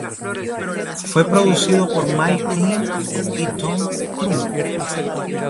Fue producido por Mike Clint y Thom Trumbo.